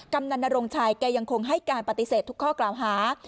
กำนันนรงชัยแกยังคงให้การปฏิเสธทุกข้อกล่าวหา